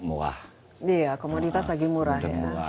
wah iya komoditas lagi murah ya